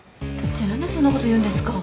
って何でそんなこと言うんですか？